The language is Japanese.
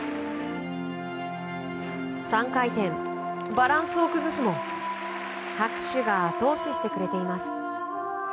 ３回転、バランスを崩すも拍手が後押ししてくれています。